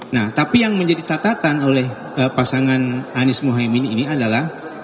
nah tapi yang menjadi catatan oleh pasangan anies mohaimin ini adalah